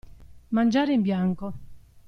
Mangiare in bianco.